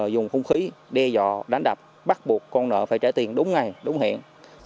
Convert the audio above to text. dùng không khí đe dọa đánh đập bắt buộc con nợ phải trả tiền đúng ngày đúng hiện